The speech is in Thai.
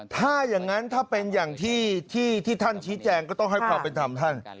ถ้าอย่างนั้นถ้าเป็นอย่างที่ท่านชี้แจงก็ต้องให้ความเป็นธรรมท่าน